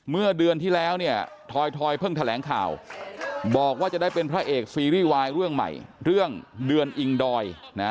เมื่อเดือนที่แล้วเนี่ยทอยเพิ่งแถลงข่าวบอกว่าจะได้เป็นพระเอกซีรีส์วายเรื่องใหม่เรื่องเดือนอิงดอย